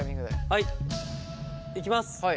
はいいきます。